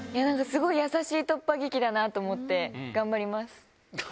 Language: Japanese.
すごい優しい突破劇だなと思頑張ります？